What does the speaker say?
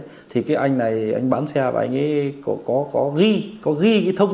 anh nguyễn văn a cũng thông báo chiếc xe đó thì cái anh này anh bán xe và anh ấy có có có ghi có ghi thông